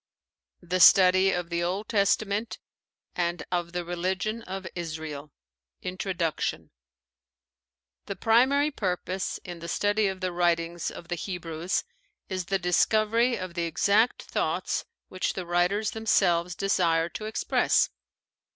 THE STUDY OF THE OLD TESTAMENT AND OF THE RELIGION OF ISRAEL INTRODUCTION The primary purpose in the study of the writings of the Hebrews is the discovery of the exact thoughts which the writers themselves desired to express.